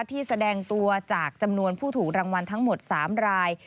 แสดงตัวจากจำนวนผู้ถูกรางวัลทั้งหมด๓ราย